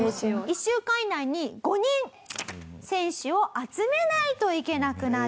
１週間以内に５人選手を集めないといけなくなってしまいました。